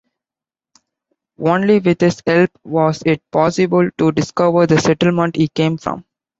Only with his help was it possible to discover the settlement he came from.